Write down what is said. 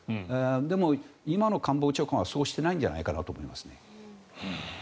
でも、今の官房長官はそうしてないんじゃないかと思います。